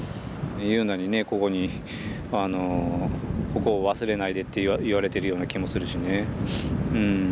ここを忘れないでって言われてるような気もするしね。